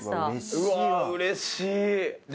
うわっうれしいわ。